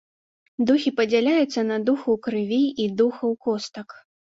Духі падзяляюцца на духаў крыві і духаў костак.